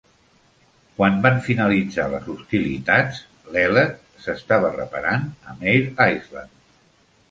Quan van finalitzar les hostilitats, l'"Ellet" s'estava reparant a Mare Island.